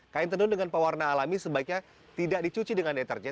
kain tenun dengan pewarna alami sebaiknya tidak dicuci dengan deterjen